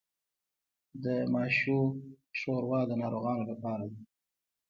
د ماشو شوروا د ناروغانو لپاره ده.